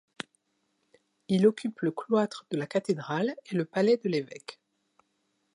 Il occupe le cloître de la cathédrale et le palais de l'évêque.